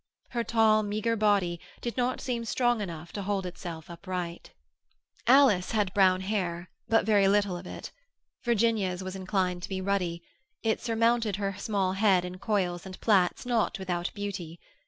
Her tall meagre body did not seem strong enough to hold itself upright. Alice had brown hair, but very little of it. Virginia's was inclined to be ruddy; it surmounted her small head in coils and plaits not without beauty.